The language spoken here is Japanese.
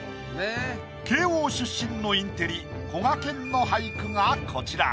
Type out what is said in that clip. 慶應出身のインテリこがけんの俳句がこちら。